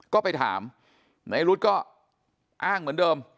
ก็ไปถามนายรุธก็อ้างเหมือนเดิม